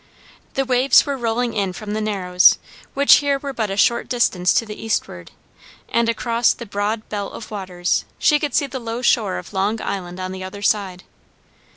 The waves were rolling in from the Narrows, which here were but a short distance to the eastward; and across the broad belt of waters she could see the low shore of Long Island on the other side.